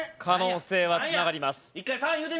可能性はつながります。